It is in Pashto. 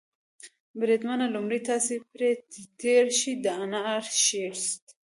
بریدمنه، لومړی تاسې پرې تېر شئ، د انارشیست.